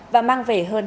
và mang về hơn hai tỷ usd